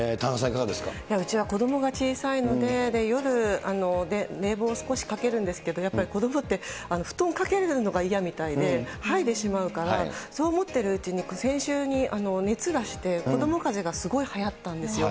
うちは子どもが小さいので、夜、冷房を少しかけるんですけど、やっぱり子どもって、布団かけるのが嫌みたいで、剥いでしまうから、そう思ってるうちに、先週に熱出して、子どもかぜがすごいはやったんですよ。